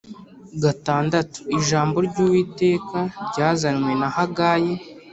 gatandatu ijambo ry Uwiteka ryazanywe na Hagayi